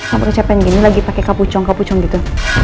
sama kesepe yang gini lagi pake kapucong kapucong gitu